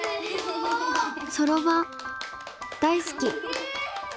そろばん大好き！